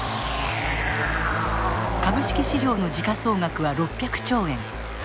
株式市場の時価総額は６００兆円。